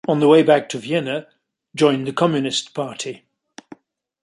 On the way back to Vienna, joined the Communist Party.